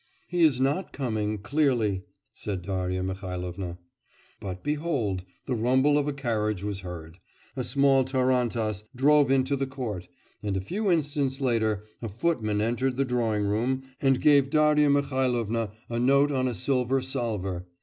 'He is not coming, clearly,' said Darya Mihailovna. But, behold, the rumble of a carriage was heard: a small tarantass drove into the court, and a few instants later a footman entered the drawing room and gave Darya Mihailovna a note on a silver salver.